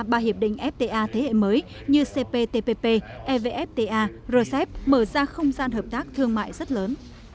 ba hiệp định fta thế hệ mới như cptpp evfta rcep mở ra không gian hợp tác thương mại rất lớn